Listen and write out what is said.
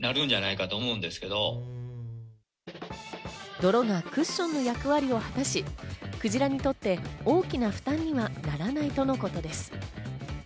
泥がクッションの役割も果たし、クジラにとって大きな負担にはならないとのことです。